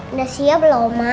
udah siap belum oma